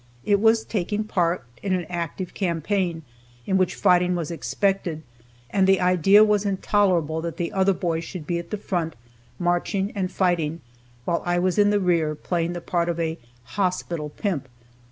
It was taking part in an active campaign, in which fighting was expected, and the idea was intolerable that the other boys should be at the front, marching and fighting, while I was in the rear, playing the part of a "hospital pimp."